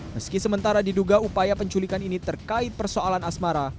meski sementara diduga upaya penculikan ini terkait persoalan asmara